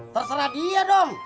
terserah dia dong